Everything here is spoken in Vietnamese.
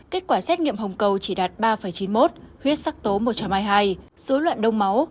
kết quả xét nghiệm hồng cầu chỉ đạt ba chín mươi một huyết sắc tố một trăm hai mươi hai dối loạn đông máu